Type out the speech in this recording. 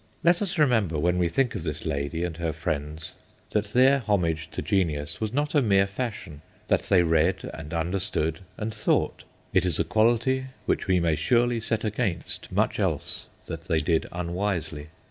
Let us remember, when we think of this lady and her friends, 38 THE GHOSTS OF PICCADILLY that their homage to genius was not a mere fashion ; that they read and understood and thought ; it is a quality which we may surely set against much else that they did unwisely.